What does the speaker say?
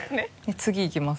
次いきます。